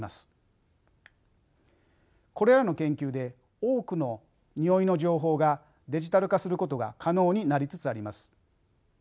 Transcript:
これらの研究で多くのにおいの情報がデジタル化することが可能になりつつあります。